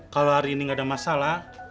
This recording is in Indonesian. kalo hari ini gak ada masalah